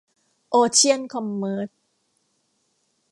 โอเชี่ยน คอมเมิรช